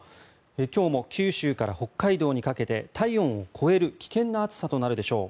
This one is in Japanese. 今日も九州から北海道にかけて体温を超える危険な暑さとなるでしょう。